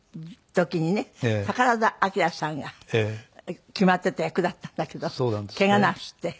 宝田明さんが決まってた役だったんだけど怪我なすって。